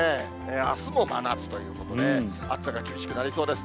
あすも真夏ということで、暑さが厳しくなりそうです。